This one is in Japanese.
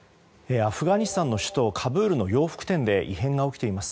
アフガニスタンの首都カブールの洋服店で異変が起きています。